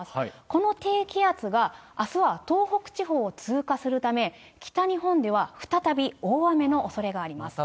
この低気圧が、あすは東北地方を通過するため、北日本では再び大雨のおそれがあります。